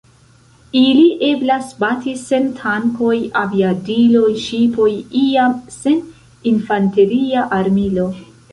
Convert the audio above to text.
Ili eblas bati sen tankoj, aviadiloj, ŝipoj, iam sen infanteria armilo.